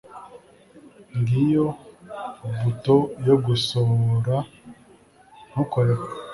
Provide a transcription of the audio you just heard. ngiyo buto yo gusohora. ntukoreho